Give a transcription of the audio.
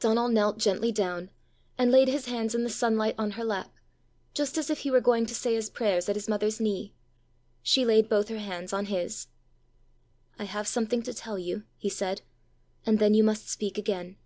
Donal knelt gently down, and laid his hands in the sunlight on her lap, just as if he were going to say his prayers at his mother's knee. She laid both her hands on his. "I have something to tell you," he said; "and then you must speak again."